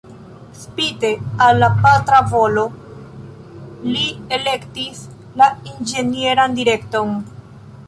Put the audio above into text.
Spite al la patra volo, li elektis la inĝenieran direkton.